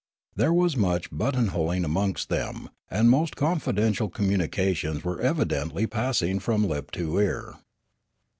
There was much buttonholing amongst them, and most confidential communications were evidently pass ing from lip to ear.